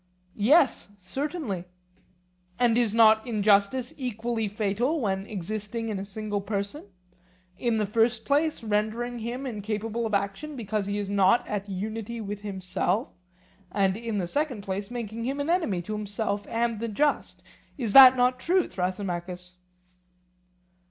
Yes, certainly. And is not injustice equally fatal when existing in a single person; in the first place rendering him incapable of action because he is not at unity with himself, and in the second place making him an enemy to himself and the just? Is not that true, Thrasymachus?